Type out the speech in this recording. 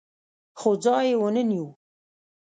خو ځای یې ونه نیو